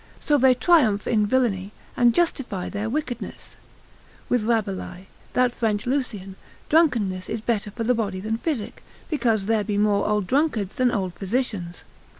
So they triumph in villainy, and justify their wickedness; with Rabelais, that French Lucian, drunkenness is better for the body than physic, because there be more old drunkards than old physicians.